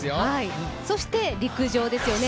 そして陸上ですよね